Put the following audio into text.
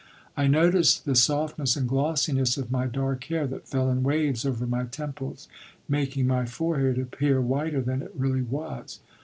I noticed the softness and glossiness of my dark hair that fell in waves over my temples, making my forehead appear whiter than it really was.